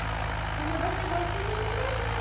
このばしょがおきにいりなんでしょ。